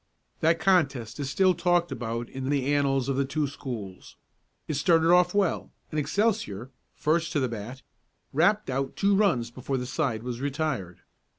That contest is still talked about in the annals of the two schools. It started off well, and Excelsior, first to the bat, rapped out two runs before the side was retired.